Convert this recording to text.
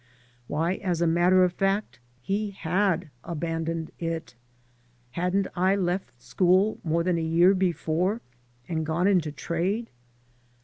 Why, as a matter of fact he hcd abandoned it. Hadn't I left school more than a year before and gone into trade?